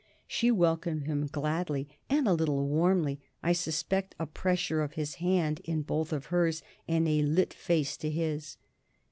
She welcomed him gladly and a little warmly I suspect a pressure of his hand in both of hers and a lit face to his.